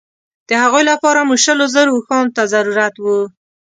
د هغوی لپاره مو شلو زرو اوښانو ته ضرورت وو.